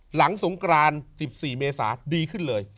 หลังสงกราน๑๔เมษาดีขึ้นเลย